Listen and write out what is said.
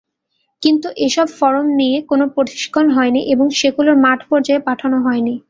কিন্তু এসব ফরম নিয়ে কোনো প্রশিক্ষণ হয়নি এবং সেগুলো মাঠপর্যায়ে পাঠানো হয়নি।